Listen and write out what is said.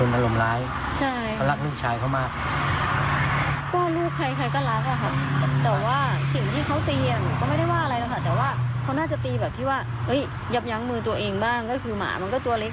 ที่ว่ายับยั้งมือตัวเองบ้างก็คือหมามันก็ตัวเล็ก